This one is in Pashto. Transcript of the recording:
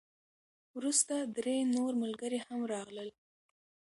وروسته درې نور ملګري هم راغلل.